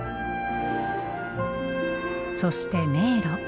そして迷路。